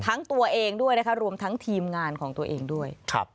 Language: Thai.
ตัวเองด้วยนะคะรวมทั้งทีมงานของตัวเองด้วย